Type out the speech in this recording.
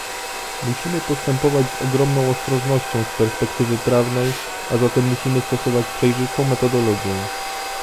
Musimy postępować z ogromną ostrożnością z perspektywy prawnej, a zatem musimy stosować przejrzystą metodologię